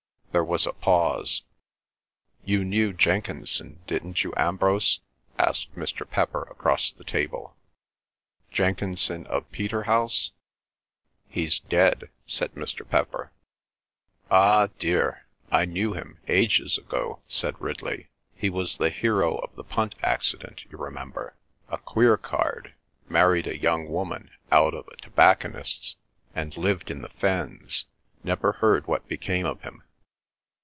There was a pause. "You knew Jenkinson, didn't you, Ambrose?" asked Mr. Pepper across the table. "Jenkinson of Peterhouse?" "He's dead," said Mr. Pepper. "Ah, dear!—I knew him—ages ago," said Ridley. "He was the hero of the punt accident, you remember? A queer card. Married a young woman out of a tobacconist's, and lived in the Fens—never heard what became of him."